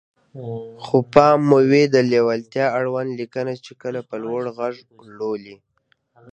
خو پام مو وي د ليوالتيا اړوند ليکنه چې کله په لوړ غږ لولئ.